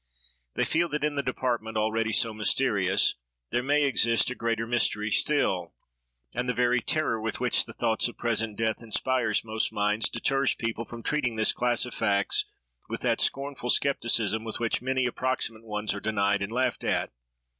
They feel that in that department, already so mysterious, there may exist a greater mystery still; and the very terror with which the thoughts of present death inspires most minds, deters people from treating this class of facts with that scornful skepticism with which many approximate ones are denied and laughed at.